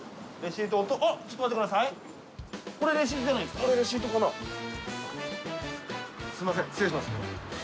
すみません失礼します。